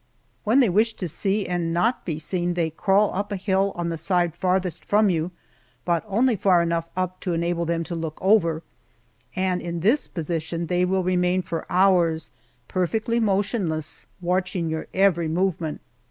When they wish to see and not be seen they crawl up a hill on the side farthest from you, but only far enough up to enable them to look over, and in this position they will remain for hours, perfectly motionless, watching your every movement.